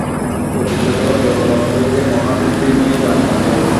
পবিত্রতা ও নীরবতা হইতেই মহা শক্তিময়ী বাণী আসে।